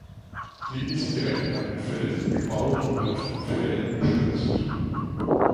Sie ist direkt an den Felsen gebaut und wird von Pfählen gestützt.